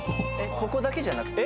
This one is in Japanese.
ここだけじゃなくて？